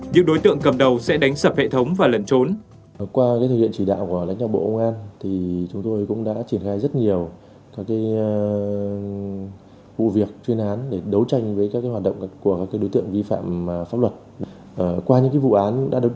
những đối tượng cầm đầu sẽ đánh sập hệ thống và lẩn trốn